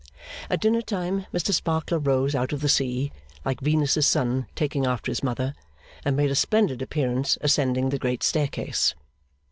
At dinner time Mr Sparkler rose out of the sea, like Venus's son taking after his mother, and made a splendid appearance ascending the great staircase.